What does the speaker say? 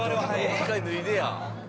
１回脱いでや。